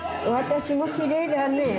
私もきれいだね。